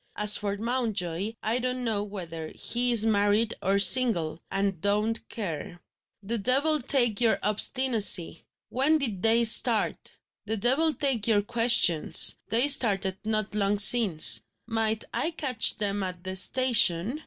"As for Mountjoy, I don't know whether he is married or single and don't care." "The devil take your obstinacy! When did they start?" "The devil take your questions! They started not long since." "Might I catch them at the station?"